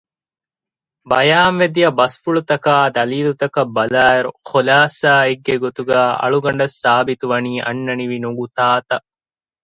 ބަޔާންވެދިޔަ ބަސްފުޅުތަކާއި ދަލީލުތަކަށް ބަލާއިރު ޚުލާޞާއެއްގެ ގޮތުގައި އަޅުގަނޑަށް ސާބިތުވަނީ އަންނަނިވި ނުގުތާތައް